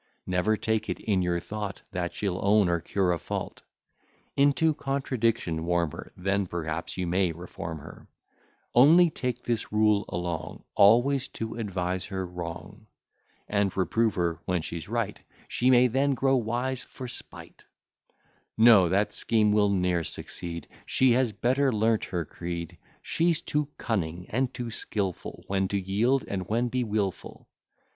Never take it in your thought, That she'll own, or cure a fault. Into contradiction warm her, Then, perhaps, you may reform her: Only take this rule along, Always to advise her wrong; And reprove her when she's right; She may then grow wise for spight. No that scheme will ne'er succeed, She has better learnt her creed; She's too cunning and too skilful, When to yield, and when be wilful.